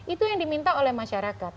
itu yang diminta oleh masyarakat